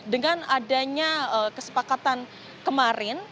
dengan adanya kesepakatan kemarin